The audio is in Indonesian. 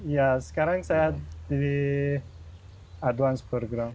ya sekarang saya di advance program